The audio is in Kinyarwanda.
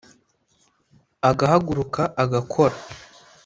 agahaguruka agakora